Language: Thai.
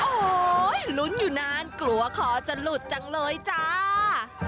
โอ้โหลุ้นอยู่นานกลัวคอจะหลุดจังเลยจ้า